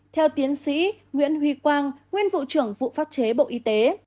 theo tiến sĩ nguyễn huy quang nguyên vụ trưởng vụ pháp chế bộ y tế